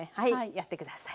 やってください。